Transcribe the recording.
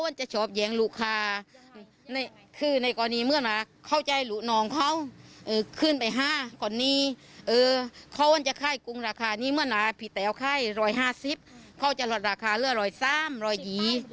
ตอนนี้เขาจะค่ายกรุงราคานี้เมื่อนานพี่แต๋วค่าย๑๕๐บาทเขาจะหลัดราคาเลือด๑๓๐๑๒๐บาท